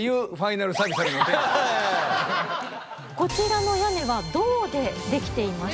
こちらの屋根は銅でできています。